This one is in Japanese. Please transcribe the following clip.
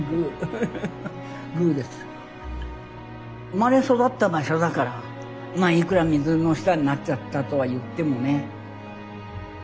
生まれ育った場所だからまあいくら水の下になっちゃったとは言ってもね。